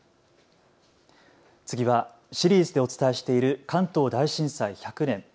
次はシリーズでお伝えしている関東大震災１００年。